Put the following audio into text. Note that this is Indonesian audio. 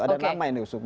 ada nama yang diusung